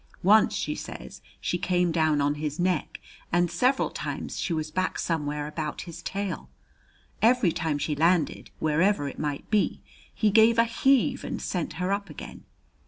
Once, she says, she came down on his neck, and several times she was back somewhere about his tail. Every time she landed, wherever it might be, he gave a heave and sent her up again.